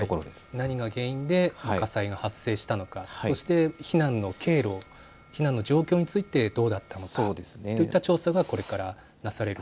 何が原因で火災が発生したのか、そして避難の経路、避難の状況についてどうだったのかといった調査がこれからなされる。